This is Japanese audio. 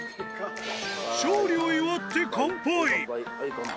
勝利を祝って乾杯。